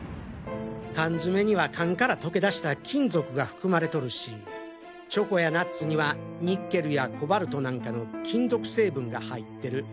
缶詰には缶から溶け出した金属が含まれとるしチョコやナッツにはニッケルやコバルトなんかの金属成分が入ってる。